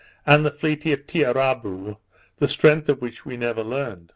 and the fleet of Tiarabou, the strength of which we never learnt.